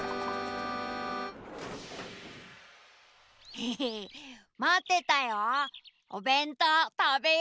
エヘヘまってたよ。